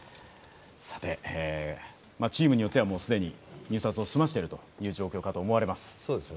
さてチームによっては既に入札を済ませている状況かと思われます。